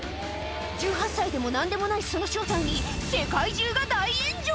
１８歳でもなんでもないその正体に、世界中が大炎上！